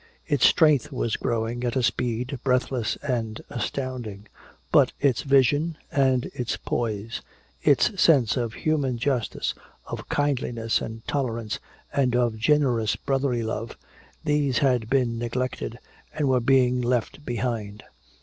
Its strength was growing at a speed breathless and astounding. But its vision and its poise, its sense of human justice, of kindliness and tolerance and of generous brotherly love, these had been neglected and were being left behind.